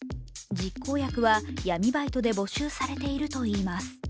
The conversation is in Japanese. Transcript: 実行役は闇バイトで募集されているといいます。